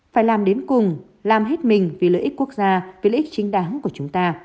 phải làm đến cùng làm hết mình vì lợi ích quốc gia vì lợi ích chính đáng của chúng ta